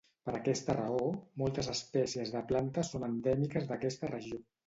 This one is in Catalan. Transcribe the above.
Per aquesta raó, moltes espècies de plantes són endèmiques d'aquesta regió.